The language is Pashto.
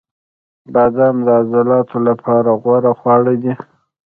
• بادام د عضلاتو لپاره غوره خواړه دي.